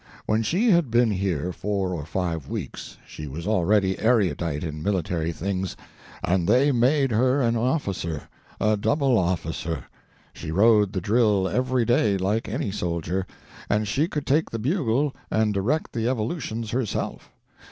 When she had been here four or five weeks she was already erudite in military things, and they made her an officer—a double officer. She rode the drill every day, like any soldier; and she could take the bugle and direct the evolutions herself.